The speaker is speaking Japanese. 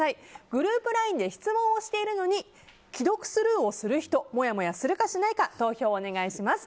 グループＬＩＮＥで質問をしているのに既読スルーをする人もやもやするかしないか投票をお願いします。